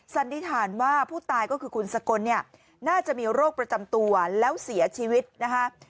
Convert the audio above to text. สันนิษฐานว่าผู้ตายก็คือคุณสกลเนี่ยน่าจะมีโรคประจำตัวแล้วเสียชีวิตนะคะ